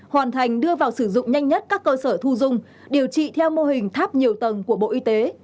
hoàn thành đưa vào sử dụng nhanh nhất các cơ sở thu dung điều trị theo mô hình tháp nhiều tầng của bộ y tế